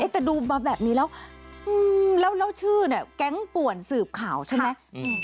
แต่ดูมาแบบนี้แล้วแล้วชื่อเนี่ยแก๊งป่วนสืบข่าวใช่ไหม